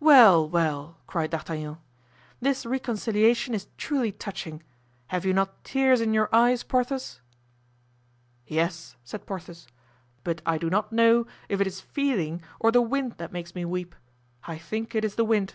"Well, well," cried D'Artagnan, "this reconciliation is truly touching; have you not tears in your eyes, Porthos?" "Yes," said Porthos; "but I do not know if it is feeling or the wind that makes me weep; I think it is the wind."